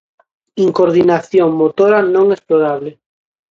Incoordinación motora non explorable.